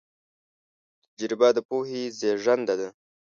تجربه د پوهې زېږنده ده.